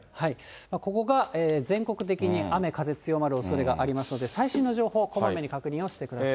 ここが全国的に雨、風強まるおそれがありますので、最新の情報、こまめに確認をしてください。